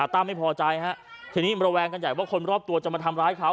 ตั้มไม่พอใจฮะทีนี้ระแวงกันใหญ่ว่าคนรอบตัวจะมาทำร้ายเขา